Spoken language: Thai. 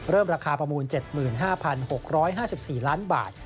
ราคาประมูล๗๕๖๕๔ล้านบาท